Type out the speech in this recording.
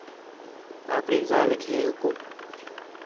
آپݨی ذالیک ہے حُکم